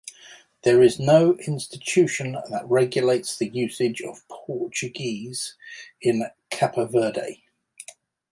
There is no institution that regulates the usage of Portuguese in Cape Verde.